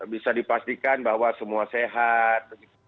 bisa dipastikan bahwa semua sehat